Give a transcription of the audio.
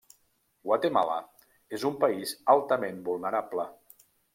Guatemala és un país altament vulnerable.